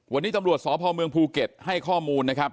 วันนี้ศพเมืองภูเก็ตให้ข้อมูลนะครับ